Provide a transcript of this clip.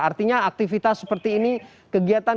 artinya aktivitas seperti ini kegiatan